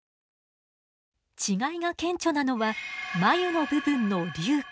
違いが顕著なのは眉の部分の隆起。